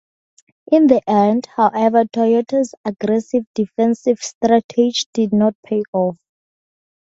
In the end, however, Toyoda's aggressive defensive strategy did not pay off.